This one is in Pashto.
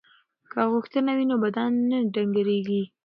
که غوښه وي نو بدن نه ډنګریږي.